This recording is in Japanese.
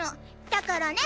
だからね